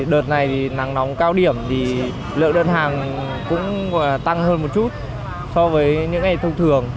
đợt này nắng nóng cao điểm thì lượng đơn hàng cũng tăng hơn một chút so với những ngày thông thường